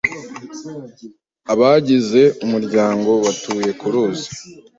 Abagize umuryango batuye ku ruzi.